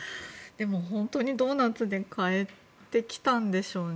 本当にドーナツで変えてきたんでしょうね。